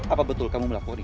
apa betul kamu melakori